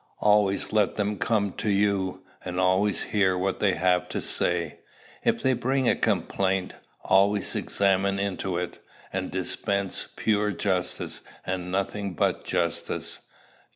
Always let them come to you, and always hear what they have to say. If they bring a complaint, always examine into it, and dispense pure justice, and nothing but justice.